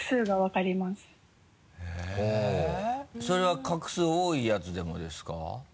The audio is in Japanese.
それは画数多いやつでもですか？